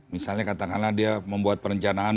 misalnya katakanlah dia membuat perencanaan